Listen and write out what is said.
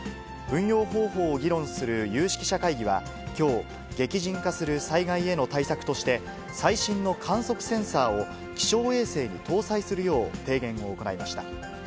運用方法を議論する有識者会議は、きょう、激甚化する災害への対策として、最新の観測センサーを気象衛星に搭載するよう提言を行いました。